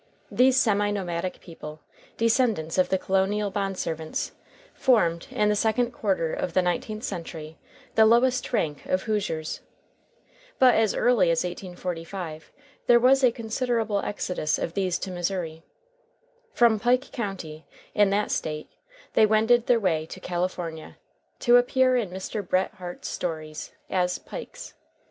These semi nomadic people, descendants of the colonial bond servants, formed, in the second quarter of the nineteenth century, the lowest rank of Hoosiers. But as early as 1845 there was a considerable exodus of these to Missouri. From Pike County, in that State, they wended their way to California, to appear in Mr. Bret Harte's stories as "Pikes."